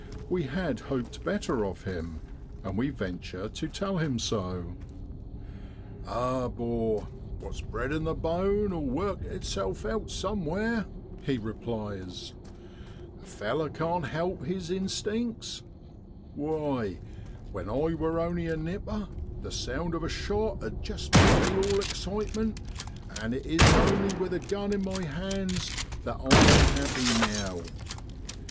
We had hoped better of him, and we ven ture to tell him so. 'Ah! 'bor, what's bred in the bone'll work itself out somewhere,' he replies, 6 a feller can't help his instincts ; why, when I wor only a nipper the sound of a shot 'ud jest make me all excitement, an' it is only with a gun in my hands that I am happy now.